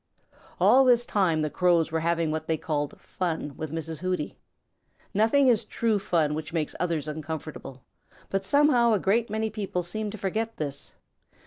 All this time the Crows were having what they called fun with Mrs. Hooty. Nothing is true fun which makes others uncomfortable, but somehow a great many people seem to forget this.